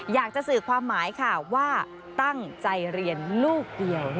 อยากจะสื่อความหมายค่ะว่าตั้งใจเรียนลูกเดียว